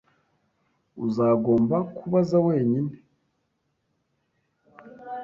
Uzagomba kubaza wenyine.